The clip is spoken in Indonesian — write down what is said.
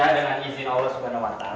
ya dengan izin allah subhanahu wa ta'ala